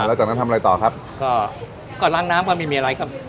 แล้วจากนั้นทำอะไรต่อครับก็ก็ล้างน้ำก็ไม่มีอะไรครับ